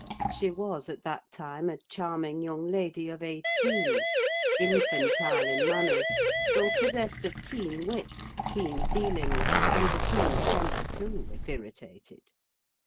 She was at that time a charming young lady of eighteen; infantile in manners, though possessed of keen wit, keen feelings, and a keen temper, too, if irritated.